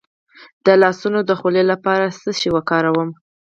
د لاسونو د خولې لپاره څه شی وکاروم؟